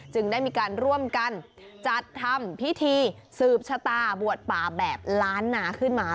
ได้มีการร่วมกันจัดทำพิธีสืบชะตาบวชป่าแบบล้านนาขึ้นมา